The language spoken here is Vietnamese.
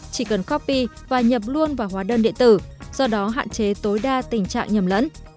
chỉ cần copy và nhập luôn vào hóa đơn điện tử do đó hạn chế tối đa tình trạng nhầm lẫn